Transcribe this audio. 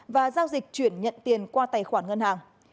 và giao dịch chuyển nhận tiền qua tài khoản ngân hàng